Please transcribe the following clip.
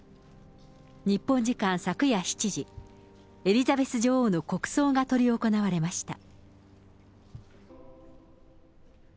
日本時間昨夜７時、エリザベス女王の国葬が執り行われました。